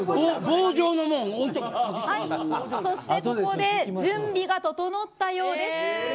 棒状のものそして、ここで準備が整ったようです。